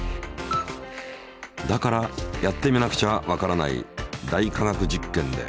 だからやってみなくちゃわからない「大科学実験」で。